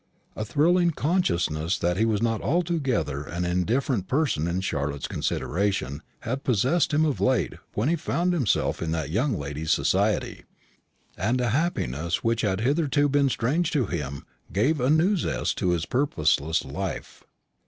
A thrilling consciousness that he was not altogether an indifferent person in Charlotte's consideration had possessed him of late when he found himself in that young lady's society, and a happiness which had hitherto been strange to him gave a new zest to his purposeless life.